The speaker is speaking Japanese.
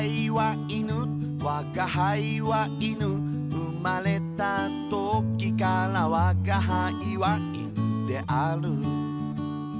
「生まれたときからわが輩は犬である」